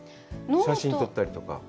写真撮ったりとか。